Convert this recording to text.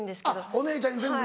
お姉ちゃんに全部言うの？